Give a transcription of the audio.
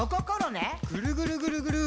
ぐるぐるぐるぐる。